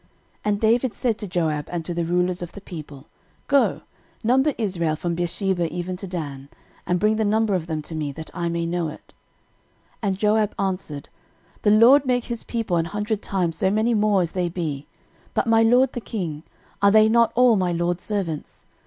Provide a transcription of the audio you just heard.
13:021:002 And David said to Joab and to the rulers of the people, Go, number Israel from Beersheba even to Dan; and bring the number of them to me, that I may know it. 13:021:003 And Joab answered, The LORD make his people an hundred times so many more as they be: but, my lord the king, are they not all my lord's servants?